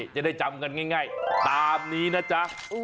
จะได้จำกันง่ายตามนี้นะจ๊ะ